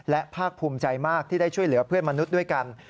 และภาคภูมิใจมากที่ได้ช่วยเหลือเพื่อนมนุษย์ด้วยกัน